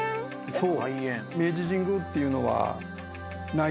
そう。